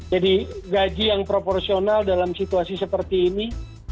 jadi gaji yang proporsional dalam situasi seperti ini